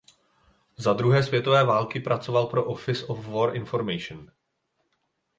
Za druhé světové války pracoval pro Office of War Information.